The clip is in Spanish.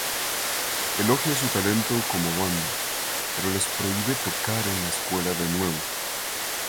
Elogia su talento como banda, pero les prohíbe tocar en la escuela de nuevo.